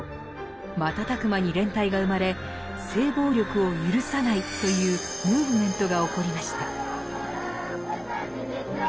瞬く間に連帯が生まれ性暴力を許さないというムーブメントが起こりました。